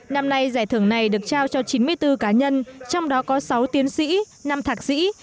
năm nay giải thưởng này được trao cho chín mươi bốn cá nhân trong đó có sáu tiến sĩ năm thạc sĩ